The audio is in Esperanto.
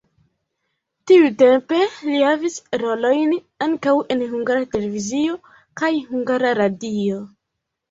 Tiutempe li havis rolojn ankaŭ en Hungara Televizio kaj Hungara Radio.